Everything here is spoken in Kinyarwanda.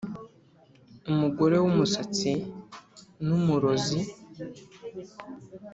umugore wumusatsi numurozi